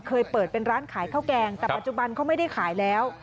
เคยเปิดเป็นร้านขายข้าวแกงแต่ปัจจุบันเขาไม่ได้ขายแล้ว